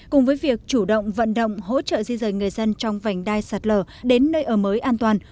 cùng với việc chủ động vận động hỗ trợ di rời người dân trong vành đai sạt lở đến nơi ở mới an toàn